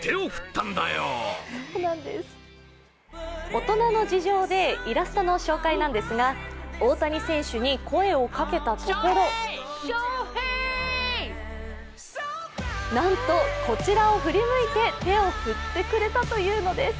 大人の事情でイラストの紹介なんですが、大谷選手に声をかけたところなんと、こちらを振り向いて手を振ってくれたというのです。